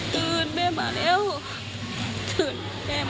คุณจะปล่อยไหม